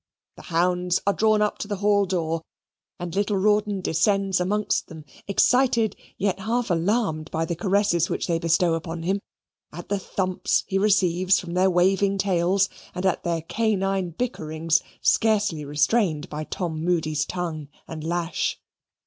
The hounds are drawn up to the hall door, and little Rawdon descends amongst them, excited yet half alarmed by the caresses which they bestow upon him, at the thumps he receives from their waving tails, and at their canine bickerings, scarcely restrained by Tom Moody's tongue and lash.